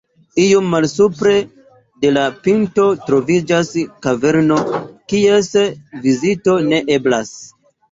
Iom malsupre de la pinto troviĝas kaverno, kies vizito ne eblas.